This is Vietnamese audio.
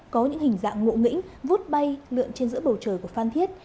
có những hình dạng ngộ nghĩnh vút bay lượn trên giữa bầu trời của phan thiết